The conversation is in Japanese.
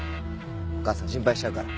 お母さん心配しちゃうから。